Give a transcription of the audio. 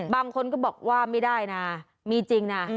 บางคนก็บอกว่าไม่ได้นะมีจริงนะ